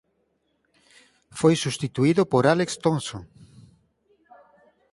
Foi substituído por Alex Thomson.